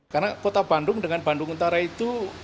karena kota bandung dengan banjir yang disertai lumpur